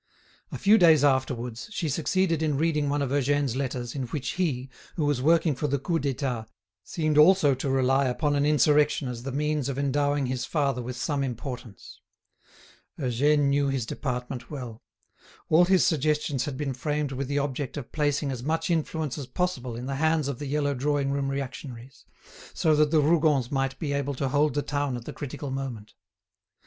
A few days afterwards, she succeeded in reading one of Eugène's letters, in which he, who was working for the Coup d'État, seemed also to rely upon an insurrection as the means of endowing his father with some importance. Eugène knew his department well. All his suggestions had been framed with the object of placing as much influence as possible in the hands of the yellow drawing room reactionaries, so that the Rougons might be able to hold the town at the critical moment.